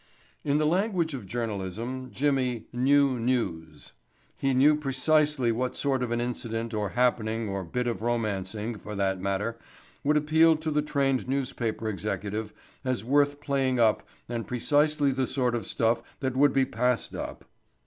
In the language of journalism Jimmy "knew news." He knew precisely what sort of an incident or happening or bit of romancing, for that matter, would appeal to the trained newspaper executive as worth playing up and precisely the sort of stuff that would be passed up.